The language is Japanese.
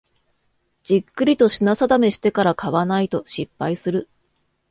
じっくりと品定めしてから買わないと失敗する